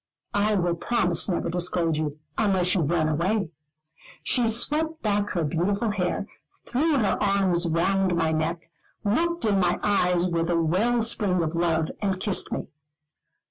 "I will promise never to scold you, unless you run away." She swept back her beautiful hair, threw her arms round my neck, looked in my eyes with a well spring of love, and kissed me.